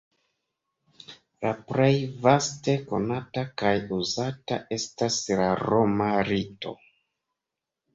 La plej vaste konata kaj uzata estas la roma rito.